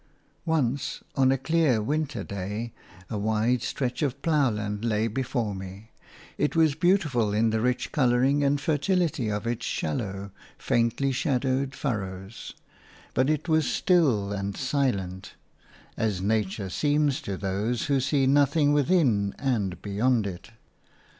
Once, on a clear winter day, a wide stretch of ploughland lay before me; it was beautiful in the rich colouring and fertility of its shallow, faintly shadowed furrows; but it was still and silent as nature seems to those who see nothing within and beyond it.